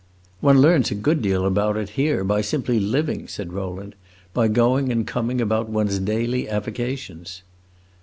"One learns a good deal about it, here, by simply living," said Rowland; "by going and coming about one's daily avocations."